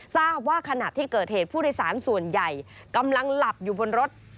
ทราบว่าขณะที่เกิดเหตุผู้โดยสารส่วนใหญ่กำลังหลับอยู่บนรถ